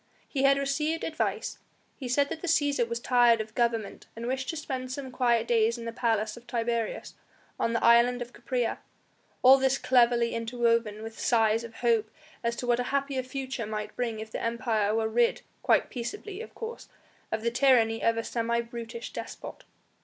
He had received advice, he said that the Cæsar was tired of government and wished to spend some quiet days in the Palace of Tiberius, on the island of Capraea; all this cleverly interwoven with sighs of hope as to what a happier future might bring if the Empire were rid quite peaceably, of course of the tyranny of a semi brutish despot.